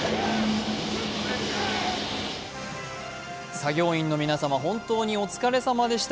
作業員の皆様、本当にお疲れさまでした。